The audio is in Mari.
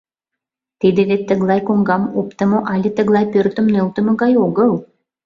Тиде вет тыглай коҥгам оптымо але тыглай пӧртым нӧлтымӧ гай огыл.